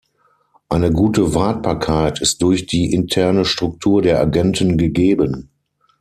Eine gute Wartbarkeit ist durch die interne Struktur der Agenten gegeben.